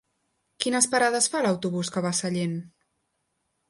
Quines parades fa l'autobús que va a Sallent?